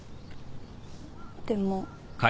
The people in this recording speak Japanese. でも。